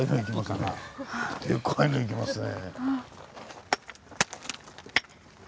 でっかいのいきますね。